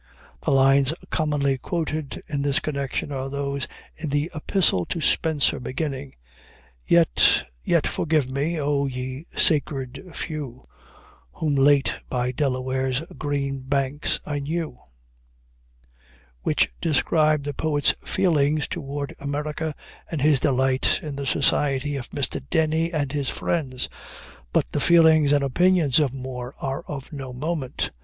The lines commonly quoted in this connection are those in the epistle to Spencer, beginning, "Yet, yet, forgive me, O ye sacred few, Whom late by Delaware's green banks I knew;" which describe the poet's feelings toward America, and his delight in the society of Mr. Dennie and his friends. But the feelings and opinions of Moore are of no moment.